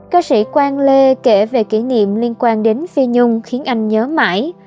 ca sĩ quan lê kể về kỷ niệm liên quan đến phi nhung khiến anh nhớ mãi